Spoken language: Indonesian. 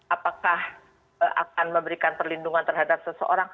apakah akan memberikan perlindungan terhadap seseorang